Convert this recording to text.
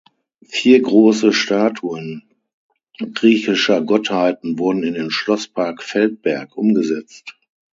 Vier große Statuen griechischer Gottheiten wurden in den Schlosspark Feldberg umgesetzt.